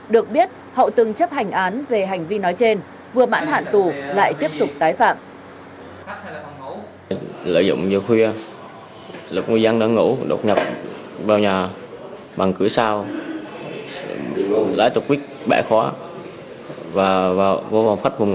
được biết hậu từng chấp hành án về hành vi nói trên vừa mãn hạn tù lại tiếp tục tái phạm